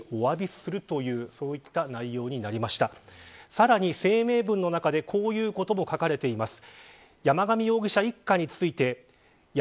さらに、声明文の中でこういうことも書かれています。